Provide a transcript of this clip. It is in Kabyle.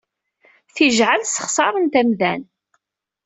Tijeɛɛal ssexṣaren-t amdan.